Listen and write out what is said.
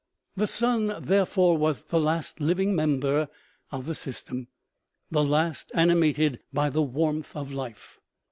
The sun therefore was the last living member of the sys tem ; the last animated by the warmth of life.